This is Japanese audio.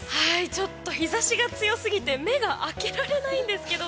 ちょっと日差しが強すぎて目が開けられないんですけど。